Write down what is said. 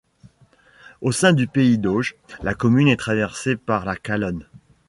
Au sein du pays d'Auge, la commune est traversée par la Calonne.